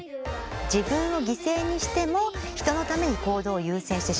自分を犠牲にしても人のために行動を優先してしまう。